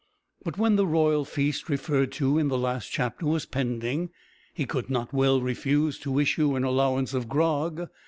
But when the royal feast referred to in the last chapter was pending, he could not well refuse to issue an allowance of grog.